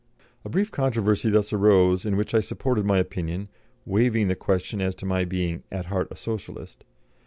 A brief controversy thus arose, in which I supported my opinion, waiving the question as to my being "at heart a Socialist."